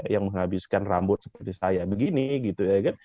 yang menghabiskan rambut seperti saya begini gitu ya kan